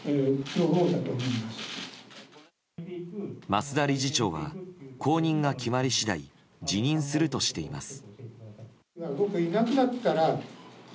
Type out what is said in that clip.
増田理事長は後任が決まり次第辞任するとしています。